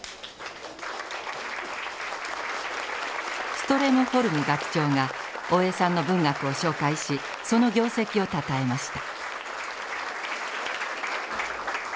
ストレノホルム学長が大江さんの文学を紹介しその業績をたたえました。